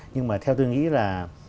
nhưng mà theo tôi nghĩ là